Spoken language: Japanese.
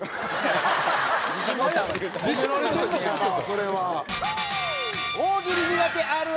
それは。